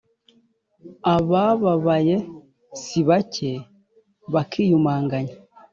abababaye si bake bakiyumanganya